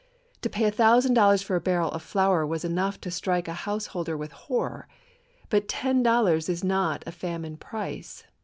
To pay a thousand dollars for a barrel of flour was enough to strike a householder with horror ; but ten dol lars is not a famine price.